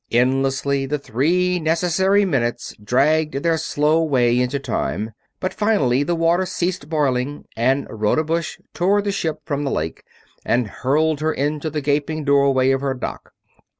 Endlessly the three necessary minutes dragged their slow way into time, but finally the water ceased boiling and Rodebush tore the ship from the lake and hurled her into the gaping doorway of her dock.